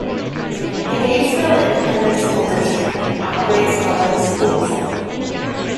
The Gatesville Independent School District operates public schools.